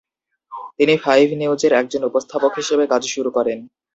তিনি ফাইভ নিউজের একজন উপস্থাপক হিসেবে কাজ শুরু করেন।